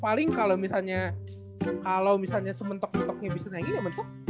paling kalo misalnya sementok mentoknya bisa naikin ya bentuk